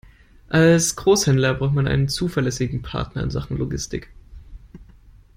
Als Großhändler braucht man einen zuverlässigen Partner in Sachen Logistik.